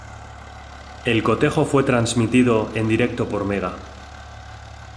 El cotejo fue transmitido en directo por Mega.